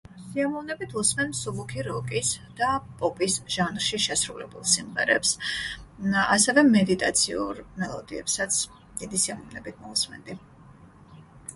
სიამოვნებით ვუსმენ მსუბუქი როკის და პოპის ჟანრში შესრულებულ სიმღერებს და ასევე მედიტაციურ მელოდიებსაც დიდი სიამოვნებით მოვუსმენდი